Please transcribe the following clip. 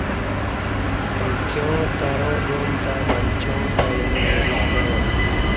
امکیاں تروں گعام تہ منچاں تہ اینہ وری پعیا۔